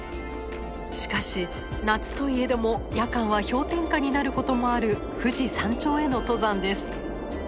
しかし夏といえども夜間は氷点下になることもある富士山頂への登山です。